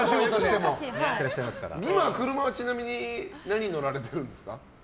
今、車はちなみに何乗られてるんですか？